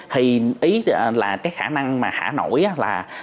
thì ý là cái khả năng mà hà nội là